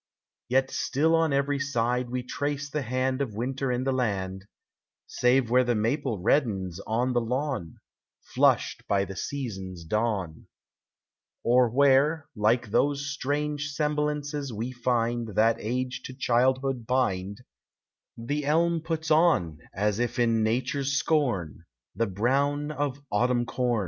Yet still on every side we trace the hand Of Winter in the land, Save where the maple reddens on the lawn, Flushed by the season's dawn; Or where, like those strange semblances we find That age to childhood bind, The elm puts on, as if in Nature's scorn, The brown of autumn corn.